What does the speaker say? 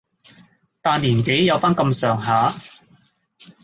但年紀有返咁上下